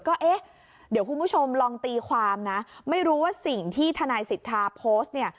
ก็เอ๊ะเดี๋ยวคุณผู้ชมลองตีความนะไม่รู้ว่าสิ่งที่ทนายสิทธาโพสต์เนี่ย